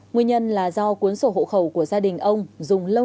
nguyên nhân là do cuốn sổ hộ khẩu của gia đình ông dùng lâu